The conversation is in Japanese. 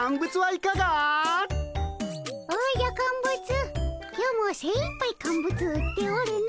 おじゃカンブツ今日もせいいっぱい乾物売っておるの。